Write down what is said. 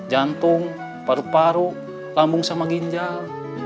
jantung paru paru lambung sama ginjal